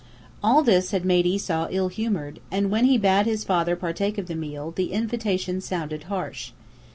All this had made Esau ill humored, and when he bade his father partake of the meal, the invitation sounded harsh.